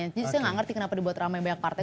jadi saya gak ngerti kenapa dibuat ramai banyak partai